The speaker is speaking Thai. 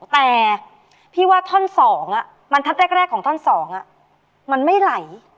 แต่พี่ว่าท่อน๒บรรทัดแรกของท่อน๒มันไม่ไหล